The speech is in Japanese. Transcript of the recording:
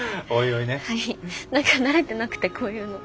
何か慣れてなくてこういうの。